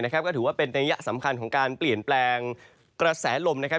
ก็ถือว่าเป็นนัยยะสำคัญของการเปลี่ยนแปลงกระแสลมนะครับ